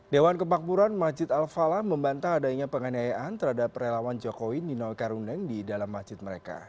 dewan kemakmuran masjid al falah membantah adanya penganiayaan terhadap relawan jokowi ninoi karundeng di dalam masjid mereka